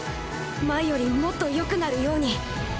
前よりもっと良くなるように。